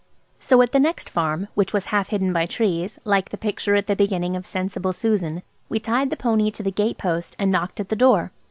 So at the next farm, which was half hidden by trees, like the picture at the beginning of Sensible Susan, we tied the pony to the gate post and knocked at the door.